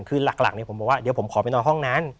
คือหลักผมบอกว่าเดี๋ยวผมขอไปนอนห้องนั้น